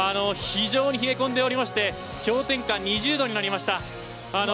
非常に冷え込んでおりまして氷点下２０度になりました。